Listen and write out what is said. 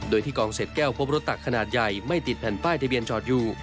โดยที่กองเศษแก้วพบรถตักขนาดใหญ่ไม่ติดแผ่นป้ายทะเบียนจอดอยู่